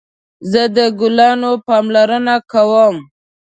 زه د ګلانو پاملرنه کوم